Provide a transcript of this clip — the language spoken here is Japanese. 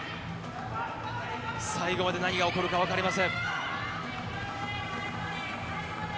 最後まで何が起こるか分かりません。